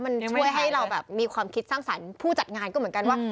มันช่วยให้เราแบบมีความคิดสร้างสรรค์ผู้จัดงานก็เหมือนกันว่า